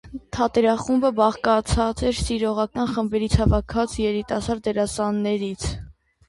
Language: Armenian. Թատերախումբը բաղկացած էր սիրողական խմբերից հավաքված երիտասարդ դերասաններից։